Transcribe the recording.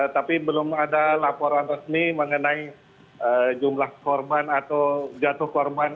tapi belum ada laporan resmi mengenai jumlah korban atau jatuh korban